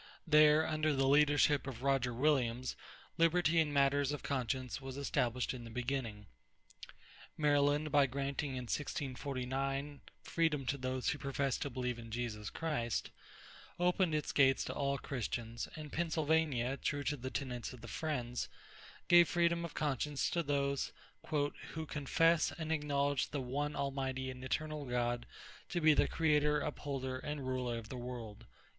There, under the leadership of Roger Williams, liberty in matters of conscience was established in the beginning. Maryland, by granting in 1649 freedom to those who professed to believe in Jesus Christ, opened its gates to all Christians; and Pennsylvania, true to the tenets of the Friends, gave freedom of conscience to those "who confess and acknowledge the one Almighty and Eternal God to be the creator, upholder, and ruler of the World."